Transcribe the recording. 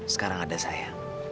sekarang ada saya